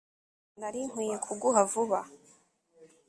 nari nkwiye kuguha vuba